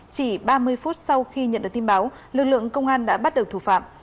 chỉ ba mươi phút sau khi nhận được tin báo lực lượng công an đã bắt được thủ phạm